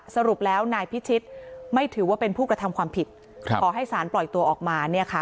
สรุปแล้วนายพิชิตไม่ถือว่าเป็นผู้กระทำความผิดขอให้สารปล่อยตัวออกมาเนี่ยค่ะ